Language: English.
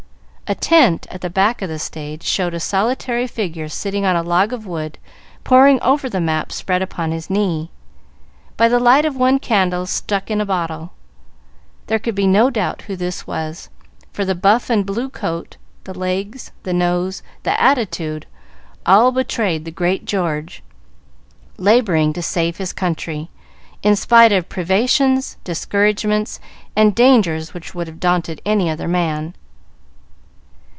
A tent at the back of the stage showed a solitary figure sitting on a log of wood, poring over the map spread upon his knee, by the light of one candle stuck in a bottle. There could be no doubt who this was, for the buff and blue coat, the legs, the nose, the attitude, all betrayed the great George laboring to save his country, in spite of privations, discouragements, and dangers which would have daunted any other man.